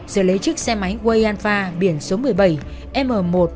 rồi lấy chiếc xe máy wayanfa biển số một mươi bảy m một mươi bảy nghìn bảy trăm hai mươi